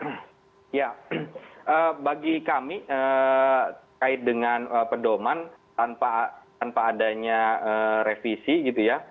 nah saya pikir perdoman ini terkait dengan perdoman tanpa adanya revisi gitu ya